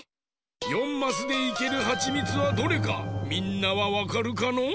４マスでいけるはちみつはどれかみんなはわかるかのう？